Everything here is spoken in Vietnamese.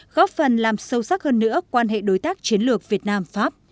góp phần làm sâu sắc hơn nữa quan hệ đối tác chiến lược việt nam pháp